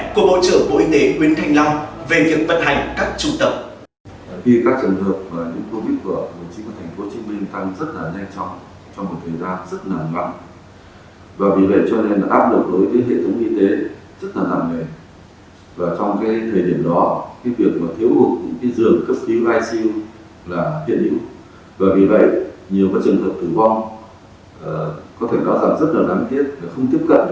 của bộ trưởng bộ y tế nguyễn thành long về việc vận hành các trung tâm